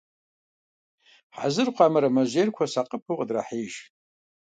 Хьэзыр хъуа мэрэмэжьейр хуэсакъыпэу къыдрахьеиж.